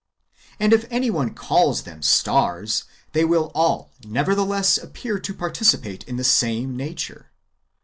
And if any one calls them stars, they will all nevertheless appear to participate in the same nature.